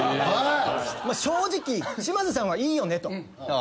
正直島津さんはいいよねと。